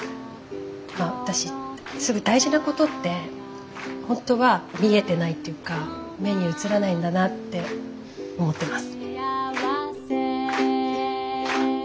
私大事なことって本当は見えてないっていうか目に映らないんだなって思ってます。